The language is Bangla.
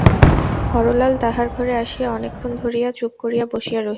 হরলাল তাহার ঘরে আসিয়া অনেকক্ষণ ধরিয়া চুপ করিয়া বসিয়া রহিল।